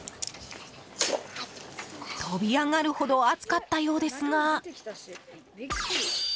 飛び上がるほど熱かったようですが。